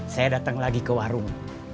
saya datang lagi ke warung